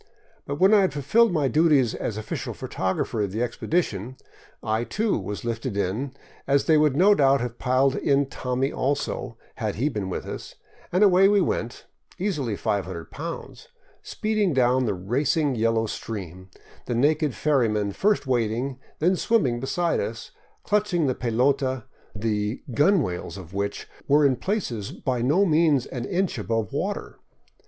But when I 562 LIFE IN THE BOLIVIAN WILDERNESS had fulfilled my duties as official photographer of the expedition, I, too, was lifted in, as they would no doubt have piled in Tommy also, had he been with us, and away we went, easily 500 pounds, speeding down the racing yellow stream, the naked ferrymen first wading, then swimming beside us, clutching the pelota, the " gunwales '* of which were in places by no means an inch above the water.